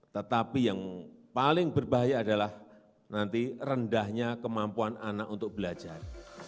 tetapi yang paling berbahaya adalah nanti rendahnya kemampuan anak untuk belajar